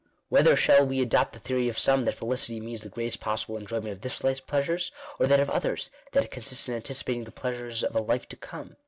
— Whether shall we adopt the theory of some that felicity means the greatest possible enjoyment of this life's pleasures, or that of others, that it consists in anticipating the pleasures of a life to come